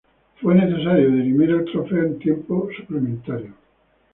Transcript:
Fue necesario dirimir el trofeo en tiempo suplementario.